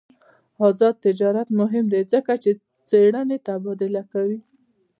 آزاد تجارت مهم دی ځکه چې څېړنې تبادله کوي.